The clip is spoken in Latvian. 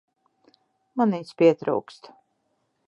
Man viņas pietrūkst.